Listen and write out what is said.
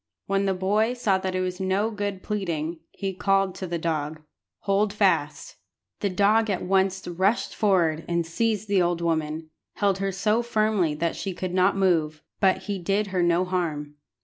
When the boy saw that it was no good pleading, he called to the dog "Hold fast." The dog at once rushed forward, and, seizing the old woman, held her so firmly that she could not move; but he did her no harm.